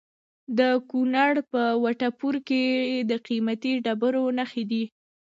د کونړ په وټه پور کې د قیمتي ډبرو نښې دي.